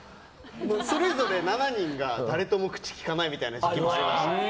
それぞれ７人が誰とも口きかないみたいな時期もありましたね。